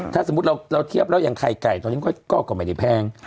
ถ้าสมมุติเราเทียบแล้วอย่างไข่ไก่ตอนนี้ก็ไม่ได้แพง